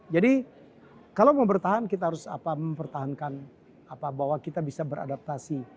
jadi kalau mau bertahan kita harus mempertahankan bahwa kita bisa beradaptasi